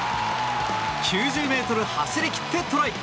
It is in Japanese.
９０ｍ走り切ってトライ！